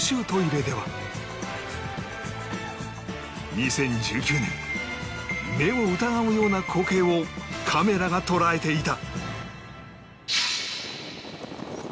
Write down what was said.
２０１９年目を疑うような光景をカメラが捉えていた